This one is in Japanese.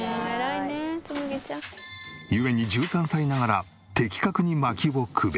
故に１３歳ながら的確に薪をくべ。